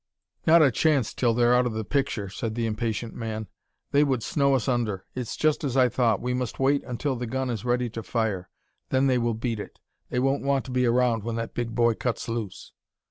"Not a chance until they're out of the picture," said the impatient man; "they would snow us under. It's just as I thought: we must wait until the gun is ready to fire; then they will beat it. They won't want to be around when that big boy cuts loose."